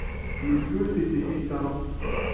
Le feu s'était éteint.